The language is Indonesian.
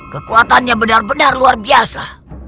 kekuatannya benar benar luar biasa